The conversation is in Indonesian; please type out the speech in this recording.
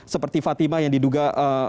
seperti fatima yang diduga